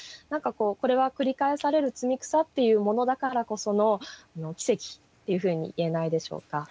何かこうこれは繰り返される摘草っていうものだからこその奇跡っていうふうに言えないでしょうか。